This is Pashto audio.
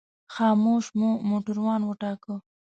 خاموش مو موټروان وټاکه.